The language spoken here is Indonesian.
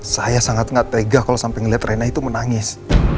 saya sangat nggak tega kalau sampai melihat reina itu menangis